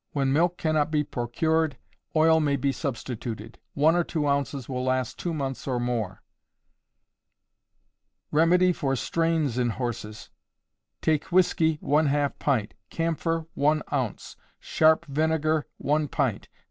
When milk cannot be procured, oil may be substituted. One or two ounces will last two months or more. Remedy for Strains in Horses. Take whiskey, one half pint: camphor, one ounce; sharp vinegar, one pint.